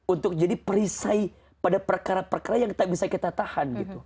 untuk jadi perisai pada perkara perkara yang tak bisa kita tahan